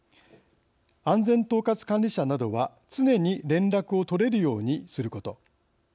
安全統括管理者などは常に連絡を取れるようにすること。